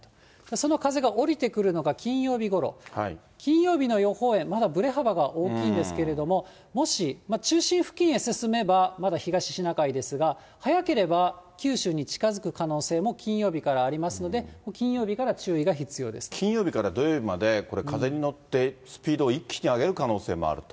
その風が降りてくるのが金曜日ごろ、金曜日の予報円、まだぶれ幅が大きいんですけれども、もし、中心付近へ進めばまだ東シナ海ですが、早ければ、九州に近づく可能性も、金曜日からありますので、金曜日から土曜日まで、これ、風に乗って、スピード一気に上げる可能性もあると。